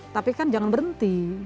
tapi kan jangan berhenti